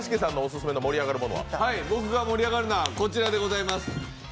僕が盛り上がるのはこちらでございます。